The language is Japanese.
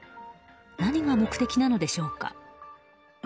何が目的なのでしょうか。